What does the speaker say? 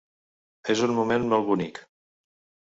És un moment molt bonic.